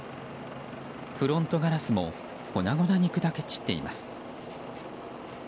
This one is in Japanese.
フロントガラスも粉々に砕け散っています。